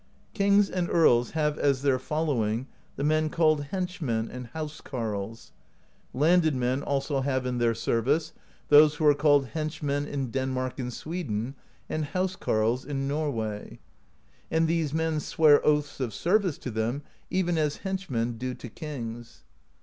" Kings and earls have as their following the men called henchmen and house carles; landed men also have in their service those who are called henchmen in Denmark and Sweden, and house carles in Norway, and these men swear oaths of service to them, even as henchmen do to kings.